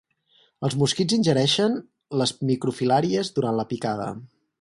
Els mosquits ingereixen les microfilàries durant la picada.